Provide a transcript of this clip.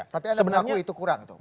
tapi ada yang tahu itu kurang tuh